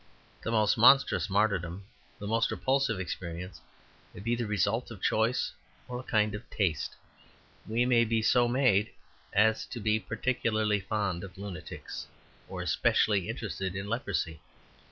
The most monstrous martyrdom, the most repulsive experience, may be the result of choice or a kind of taste. We may be so made as to be particularly fond of lunatics or specially interested in leprosy.